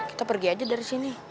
kita pergi aja dari sini